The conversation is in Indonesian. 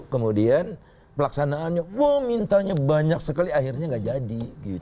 kemudian pelaksanaannya wah mintanya banyak sekali akhirnya nggak jadi